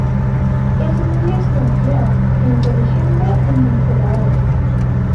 Es muy desconfiada, inteligente y manipuladora.